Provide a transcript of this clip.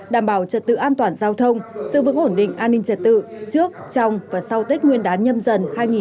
đảm bảo trật tự an toàn giao thông sự vững ổn định an ninh trật tự trước trong và sau tết nguyên đán nhâm dần hai nghìn hai mươi bốn